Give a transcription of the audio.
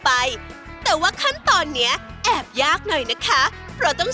เพื่อให้เก้าอี้ตัวนี้ดูเป็นผู้หญิงผู้หญิง